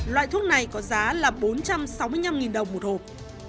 loại thuốc này có giá là bốn trăm sáu mươi năm đồng một hộp